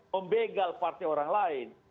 membegal partai orang lain